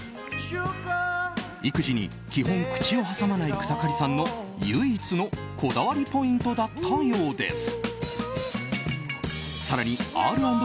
育児に基本口を挟まない草刈さんの唯一のこだわりポイントだったようです。